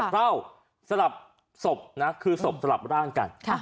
เฝ้าสลับศพนะคือศพสลับร่างกัน